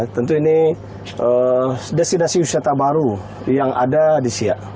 tentu ini destinasi wisata baru yang ada di siak